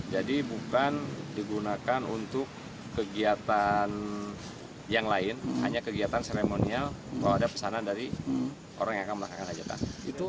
jadi bukan digunakan untuk kegiatan yang lain hanya kegiatan seremonial kalau ada pesanan dari orang yang akan melakukan hajatan